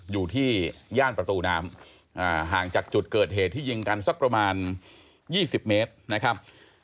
อยู่ที่ย่านประตูน้ำห่างจากจุดเกิดเหตุที่ยิงกันสักประมาณ๒๐เมตรนะครับ